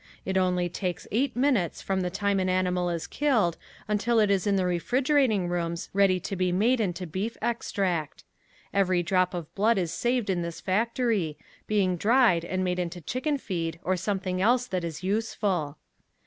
It only takes eight minutes from the time an animal is killed until it is in the refrigerating rooms ready to be made into beef extract. Every drop of blood is saved in this factory, being dried and made into chicken feed or something else that is useful.